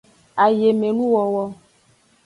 Ayemenuwowo.